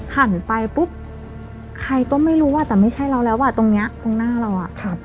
หันไปปุ๊บใครก็ไม่รู้อ่ะแต่ไม่ใช่เราแล้วอ่ะตรงเนี้ยตรงหน้าเราอ่ะครับ